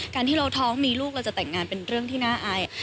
การที่เราท้องมีลูกเราจะแต่งงานเป็นเรื่องที่น่าอาย